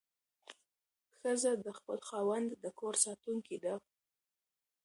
ښځه د خپل خاوند د کور ساتونکې ده.